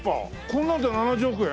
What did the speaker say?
こんなので７０億円？